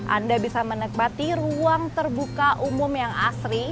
anda bisa menikmati ruang terbuka umum yang asri